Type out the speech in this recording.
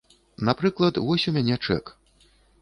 Напрыклад, вось у мяне чэк.